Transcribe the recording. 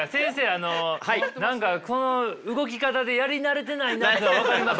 あの何かこの動き方でやり慣れてないなっていうのが分かりますよ。